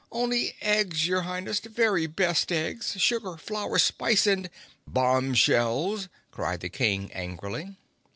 "Only eggs, your Highness—very best eggs—sugar, flour, spice and—" "Bombshells!" cried the King angrily.